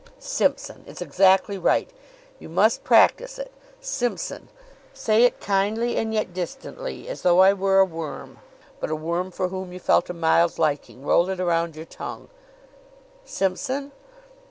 "Simpson! It's exactly right. You must practice it. Simpson! Say it kindly and yet distantly, as though I were a worm, but a worm for whom you felt a mild liking. Roll it round your tongue." "Simpson."